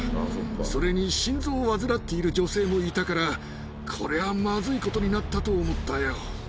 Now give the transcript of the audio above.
それに心臓を患っている女性もいたから、これはまずいことになったと思ったよ。